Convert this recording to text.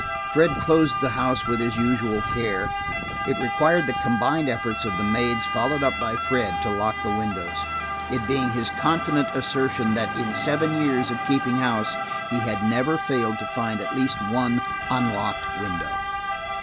Fred closed the house with his usual care. It required the combined efforts of the maids followed up by Fred, to lock the windows, it being his confident assertion that in seven years of keeping house, he had never failed to find at least one unlocked window.